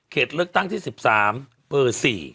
เลือกตั้งที่๑๓เบอร์๔